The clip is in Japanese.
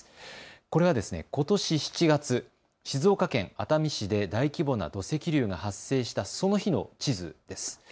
これは、ことし７月、静岡県熱海市で大規模な土石流が発生したその日の地図です。